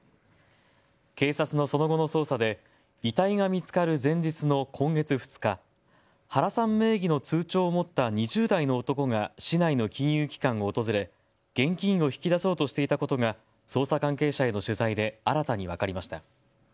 警察のその後の捜査で遺体が見つかる前日の今月２日、原さん名義の通帳を持った２０代の男が市内の金融機関を訪れ現金を引き出そうとしていたことが捜査関係者への取材で新たに分かりました。